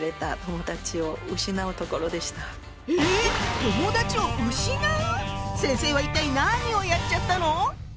友だちを失う⁉先生は一体何をやっちゃったの？